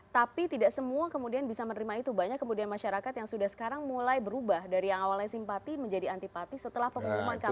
tapi tidak semua kemudian bisa menerima itu banyak kemudian masyarakat yang sudah sekarang mulai berubah dari yang awalnya simpati menjadi antipati setelah pengumuman kpu